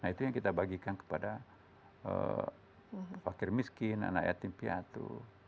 nah itu yang kita bagikan kepada fakir miskin anak yatim piatu